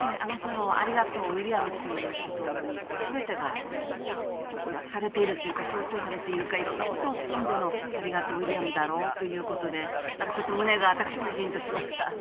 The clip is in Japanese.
ありがとう、ウィリアムという言葉に全てが要約されているというか象徴されているというかいろんなことを含んでのありがとう、ウィリアムだろうということで私も胸がじーんとしました。